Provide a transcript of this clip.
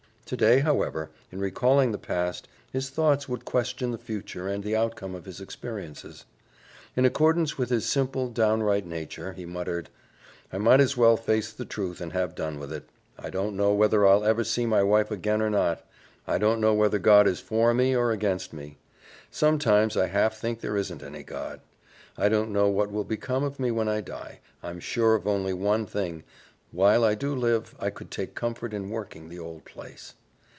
Today, however, in recalling the past, his thoughts would question the future and the outcome of his experiences. In accordance with his simple, downright nature, he muttered, "I might as well face the truth and have done with it. I don't know whether I'll ever see my wife again or not; I don't know whether God is for me or against me. Sometimes, I half think there isn't any God. I don't know what will become of me when I die. I'm sure of only one thing while I do live I could take comfort in working the old place."